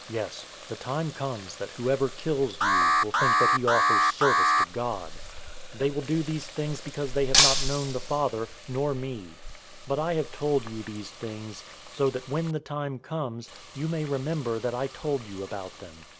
Yes, the time comes that whoever kills you will think that he offers service to God. 016:003 They will do these things{TR adds "to you"} because they have not known the Father, nor me. 016:004 But I have told you these things, so that when the time comes, you may remember that I told you about them.